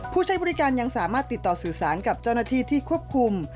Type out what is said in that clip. ผู้ใช้บริการยังสามารถติดต่อสื่อสารกับเจ้าหน้าที่ที่ควบคุม